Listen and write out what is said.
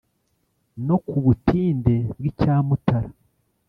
No ku butinde bw'icya Mutara